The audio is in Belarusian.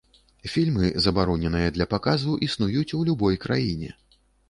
Фільмы, забароненыя для паказу, існуюць у любой краіне.